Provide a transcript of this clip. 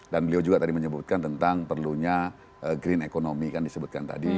dan beliau juga tadi menyebutkan tentang perlunya green economy kan disebutkan tadi